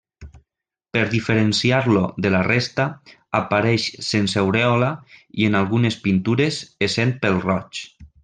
Per diferenciar-lo de la resta, apareix sense aurèola i en algunes pintures, essent pèl-roig.